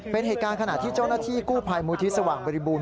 เป็นเหตุการณ์ขณะที่เจ้าหน้าที่กู้ภัยมูลที่สว่างบริบูรณ